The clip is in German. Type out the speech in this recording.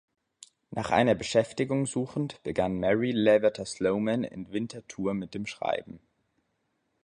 Nach einer Beschäftigung suchend, begann Mary Lavater-Sloman in Winterthur mit dem Schreiben.